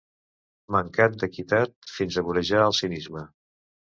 Mancat d'equitat fins a vorejar el cinisme.